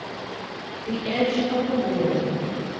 THE EDGE OF THE WOOD.